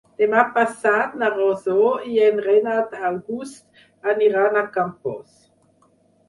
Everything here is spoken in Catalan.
Demà passat na Rosó i en Renat August aniran a Campos.